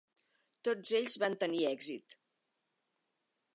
Tots ells van tenir èxit.